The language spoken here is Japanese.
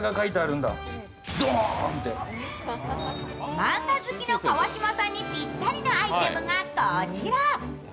漫画好きの川島さんにぴったりなアイテムがこちら。